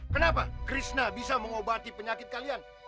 kenapa krishna bisa mengobati penyakit kalian